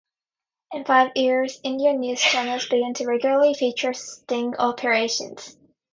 In five years, Indian news channels began to regularly feature sting operations.